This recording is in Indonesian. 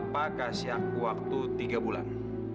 papa kasih aku waktu tiga bulan